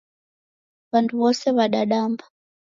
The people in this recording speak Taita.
W'andu w'ose w'adadamba